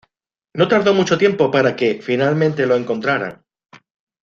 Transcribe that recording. No tardó mucho tiempo para que, finalmente, lo encontraran.